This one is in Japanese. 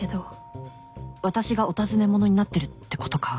私がお尋ね者になってるってことか？